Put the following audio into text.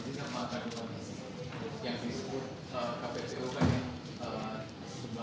kita akan berbicara lagi soal antar antar kekuatan ini sama akademi